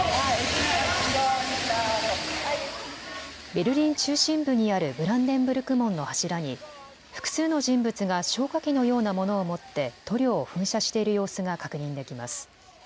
ベルリン中心部にあるブランデンブルク門の柱に複数の人物が消火器のようなものを持って塗料を噴射している様子が確認できます。